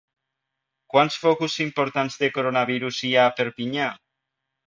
Quants focus importants de coronavirus hi ha a Perpinyà?